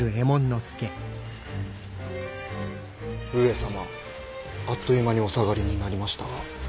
上様あっという間にお下がりになりましたが。